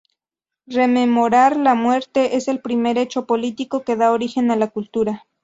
Rememorar la muerte es el primer hecho político que da origen a la cultura.